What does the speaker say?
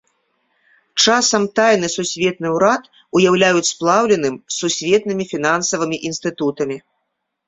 Часам тайны сусветны ўрад уяўляюць сплаўленым з сусветнымі фінансавымі інстытутамі.